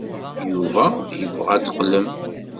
Yuba yebɣa ad d-teqqlem.